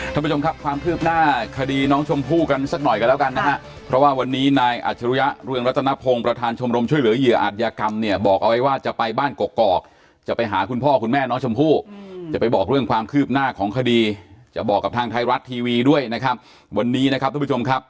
ท่านผู้ชมครับความคืบหน้าคดีน้องชมพู่กันสักหน่อยกันแล้วกันนะฮะเพราะว่าวันนี้นายอัจฉริยะเรืองรัตนพงศ์ประธานชมรมช่วยเหลือเหยื่ออาจยากรรมเนี่ยบอกเอาไว้ว่าจะไปบ้านกอกจะไปหาคุณพ่อคุณแม่น้องชมพู่จะไปบอกเรื่องความคืบหน้าของคดีจะบอกกับทางไทยรัฐทีวีด้วยนะครับวันนี้นะครับทุกผู้ชมครับ